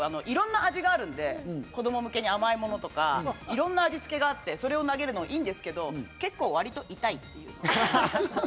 いろんな味があるんで、子供向けに甘いものとか、いろんな味つけがあって、それを投げるのはいいんですけど、結構わりと痛い。